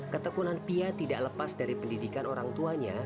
ketekunan pia tidak lepas dari pendidikan orang tuanya